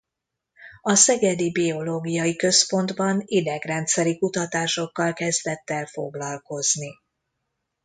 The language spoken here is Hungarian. A Szegedi Biológiai Központban idegrendszeri kutatásokkal kezdett el foglalkozni.